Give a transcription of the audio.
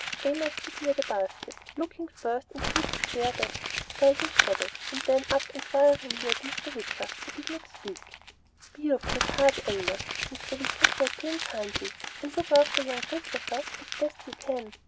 Amos stood near the basket, looking first into its square depth filled with shadow, and then up enquiringly at Mr. Wicker, but he did not speak. "Be of good heart, Amos," Mr. Wicker said to him kindly, "and look after young Christopher as best you can."